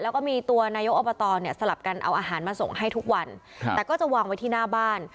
แล้วก็มีตัวนายกอบตเนี่ยสลับกันเอาอาหารมาส่งให้ทุกวันแต่ก็จะวางไว้ที่หน้าบ้าน